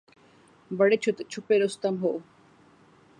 بڑے چھپے رستم ہو